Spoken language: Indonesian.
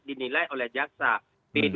dinilai oleh jaksa p dua puluh satu